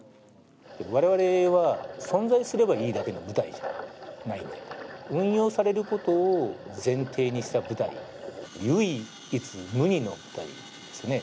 われわれは存在すればいいだけの部隊じゃないんで運用されることを前提にした部隊唯一無二の部隊なんですね